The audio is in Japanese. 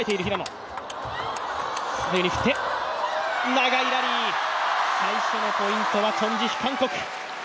長いラリー、最初のポイントはチョン・ジヒ、韓国。